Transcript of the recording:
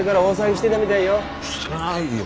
してないよ。